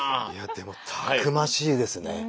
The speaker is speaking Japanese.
いやでもたくましいですね。